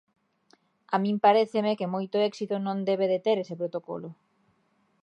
A min paréceme que moito éxito non debe de ter ese protocolo.